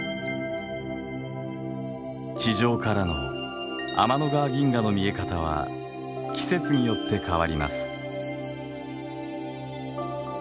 地上からの天の川銀河の見え方は季節によって変わります。